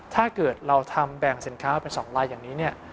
ถ้าเกิดเราทำแบ่งสินค้าเป็น๒ลายอย่างนี้เนี่ย